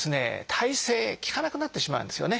耐性効かなくなってしまうんですよね。